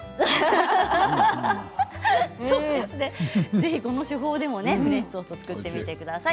ぜひこの手法でもフレンチトーストを作ってみてください。